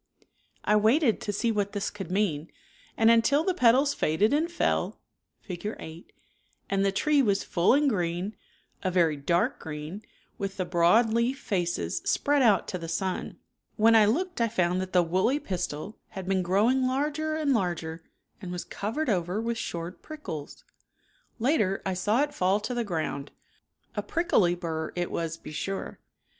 I waited to see what this could mean, and until ,..M„..i the petals faded and fell (Fig. 8) and the tree was full and green, a very dark green, with the broad leaf faces spread out to the sun. When I looked I found that the woolly pistil had been growing larger and larger and was covered over with short prickles. Later I saw it fall to the ground, A prickly bur it was be sure.